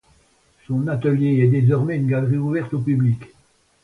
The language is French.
Son atelier est désormais une galerie ouverte au public.